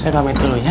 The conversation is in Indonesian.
saya pamit dulu ya